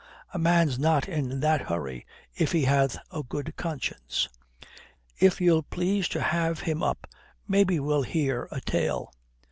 'A man's not in that hurry if he hath a good conscience. If ye'll please to have him up, maybe we'll hear a tale.'